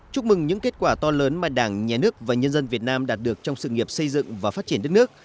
chúc mừng những kết quả to lớn mà đảng nhà nước và nhân dân việt nam đạt được trong sự nghiệp xây dựng và phát triển đất nước